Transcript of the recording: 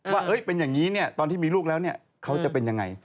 ว่าเป็นอย่างนี้ตอนที่มีลูกแล้วเขาจะเป็นยังไง